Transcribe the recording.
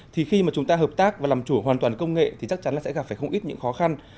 thì khi mà chúng ta hợp tác và làm chủ hoàn toàn công nghệ thì chắc chắn là sẽ gặp phải không ít những khó khăn